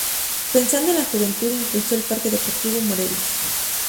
Pensando en la juventud impulsó el parque deportivo "Morelos".